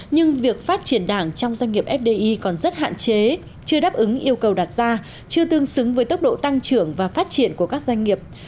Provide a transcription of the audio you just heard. nhưng việc phát triển đảng trong doanh nghiệp fdi còn rất hạn chế chưa đáp ứng yêu cầu đặt ra chưa tương xứng với tốc độ tăng trưởng và phát triển của các doanh nghiệp